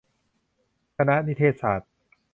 คณะนิเทศศาสตร์